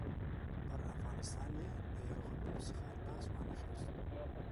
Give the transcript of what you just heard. پر افغانستان یې له یرغلونو څخه لاس وانه خیست.